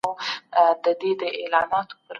موږ نه غواړو چي ماشومان له مکتب څخه وتښتي.